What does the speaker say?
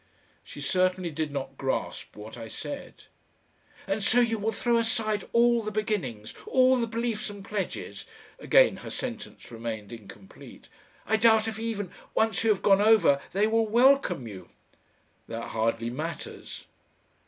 She certainly did not grasp what I said. "And so you will throw aside all the beginnings, all the beliefs and pledges " Again her sentence remained incomplete. "I doubt if even, once you have gone over, they will welcome you." "That hardly matters."